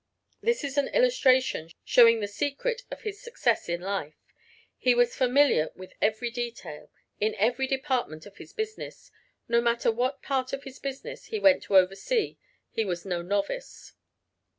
This is an illustration showing the secret of his success in life. He was familiar with every detail, in every department of his business; no matter what part of his business he went to oversee he was no novice.